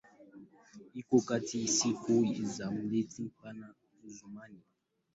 Iko kati ya siku za Jumapili na Jumanne.